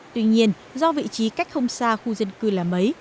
tuy nhiên do vị trí cách không xa khu dân cư là mấy